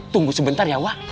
tunggu sebentar ya wak